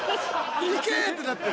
行け！ってなって。